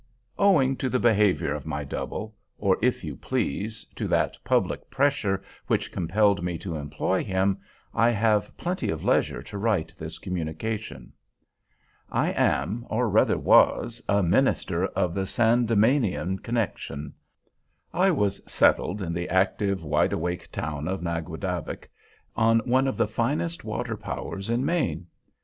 Owing to the behavior of my double, or, if you please, to that public pressure which compelled me to employ him, I have plenty of leisure to write this communication. I am, or rather was, a minister, of the Sandemanian connection. I was settled in the active, wide awake town of Naguadavick, on one of the finest water powers in Maine.